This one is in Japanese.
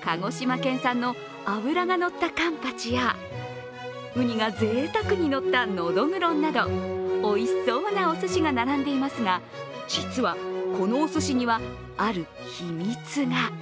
鹿児島県産の脂がのったカンパチやウニがぜいたくにのったノドグロなどおいしそうなおすしが並んでいますが実はこのおすしにはある秘密が。